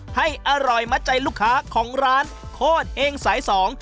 ให้อร่อยมัดใจลูกค้าของร้านโคตรเฮงสายสอง